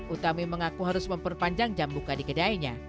utami mengaku harus memperpanjang jam buka di kedainya